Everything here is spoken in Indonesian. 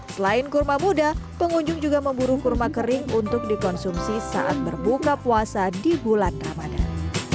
selain kurma muda pengunjung juga memburu kurma kering untuk dikonsumsi saat berbuka puasa di bulan ramadan